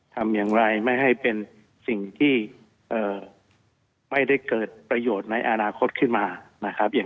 ทำอย่างไรไม่ให้เป็นสิ่งที่ไม่ได้เกิดประโยชน์ในอนาคตขึ้นมานะครับ